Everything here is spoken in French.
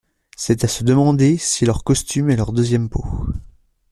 C'est à se demander si leur costume est leur deuxième peau.